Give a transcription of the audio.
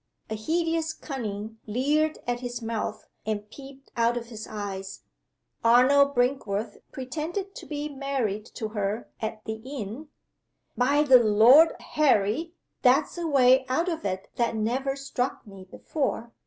A hideous cunning leered at his mouth and peeped out of his eyes. "Arnold Brinkworth pretended to be married to her at the inn. By the lord Harry! that's a way out of it that never struck me before!"